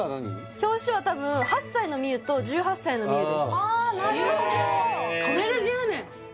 表紙はたぶん８歳の望結と１８歳の望結ですなるほ